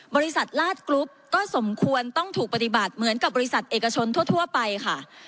บริษัทลาดกรุ๊ปก็สมควรต้องถูกปฏิบัติเหมือนกับบริษัทเอกชนทั่วไปค่ะ